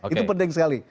itu penting sekali